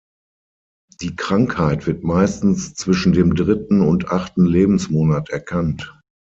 Die Krankheit wird meistens zwischen dem dritten und achten Lebensmonat erkannt.